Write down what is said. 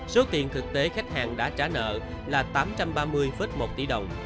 số tiền thực tế khách hàng đã trả nợ là tám trăm ba mươi một tỷ đồng